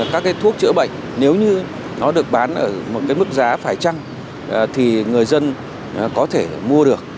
các thuốc chữa bệnh nếu như nó được bán ở một mức giá phải chăng thì người dân có thể mua được